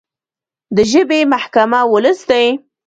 د ژبې محکمه ولس دی.